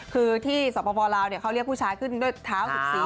คือที่สปลาวเขาเรียกผู้ชายขึ้นด้วยเท้าสุดสี